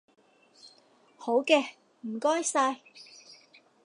好嘅，唔該晒